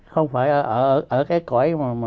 không phải ở cái cõi